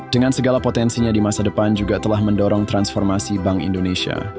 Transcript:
dengan segala potensinya di masa depan juga telah mendorong transformasi bank indonesia